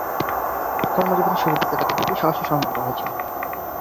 কর্মজীবনের শুরুর দিকে তাকে দুটি সাহসী সম্মান দেওয়া হয়েছিল।